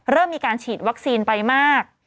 เริ่มมีการฉีดวัคซีนไปมาก